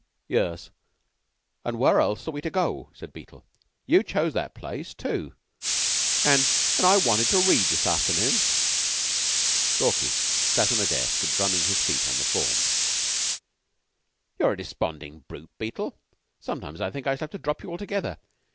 "Yes, and where else are we to go?" said Beetle. "You chose that place, too an' an' I wanted to read this afternoon." Stalky sat on a desk drumming his heels on the form. "You're a despondin' brute, Beetle. Sometimes I think I shall have to drop you altogether.